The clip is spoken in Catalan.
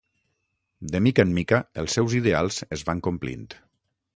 De mica en mica, els seus ideals es van complint.